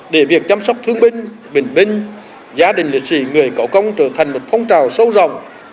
để việc chăm sóc thương binh bệnh binh gia đình liệt sĩ người có công trở thành một phong trào sâu rộng